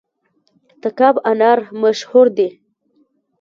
تګاب انار مشهور دي؟